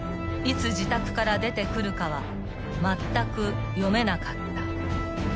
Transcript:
［いつ自宅から出てくるかはまったく読めなかった］